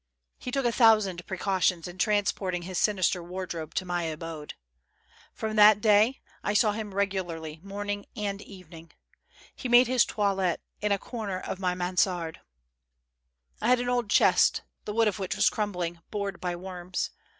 He took a thousand precautions in transport ing his sinister wardrobe to my abode. From that day, I saw him regularly, morning and evening. He made his toilet in a comer of my mansarde. I had an old chest, the wood of which was crumb ling, bored by worms.